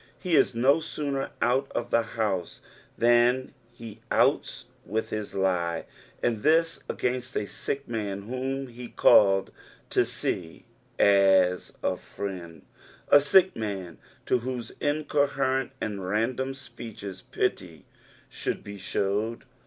He is no sooner out of the house than he outs with his lie, and this against a sick man whom he called to see as a friend — a sick man to whose incoherent and random apeeches pity should be showed.